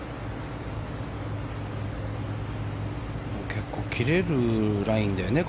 結構切れるラインだよね。